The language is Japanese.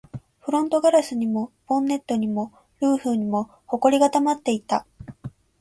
フロントガラスにも、ボンネットにも、ルーフにも埃が溜まっていた